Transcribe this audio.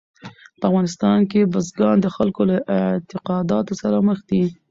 په افغانستان کې بزګان د خلکو له اعتقاداتو سره دي.